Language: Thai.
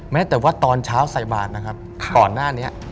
แม้แต่ว่าตอนเช้าใส่บาทนะครับก่อนหน้านี้